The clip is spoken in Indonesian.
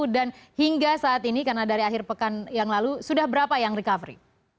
dan hingga saat ini karena dari akhir pekan yang lalu sudah berapa yang recovery